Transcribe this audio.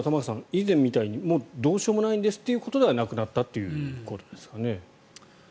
以前みたいにもうどうしようもないんですということではなくなったということですかね。